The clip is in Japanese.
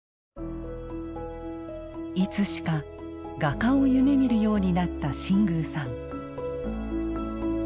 いつしか画家を夢みるようになった新宮さん。